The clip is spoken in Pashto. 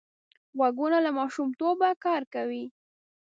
غوږونه له ماشومتوبه کار کوي